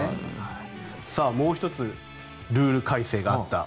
もう１つルール改正があった。